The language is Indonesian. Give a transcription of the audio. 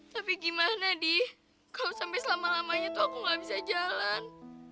tapi gimana nih kalau sampai selama lamanya tuh aku gak bisa jalan